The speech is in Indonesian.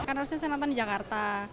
sebenarnya saya nonton di jakarta